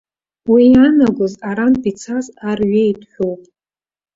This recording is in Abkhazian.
Уи иаанагоз арантә ицаз ар ҩеит ҳәоуп.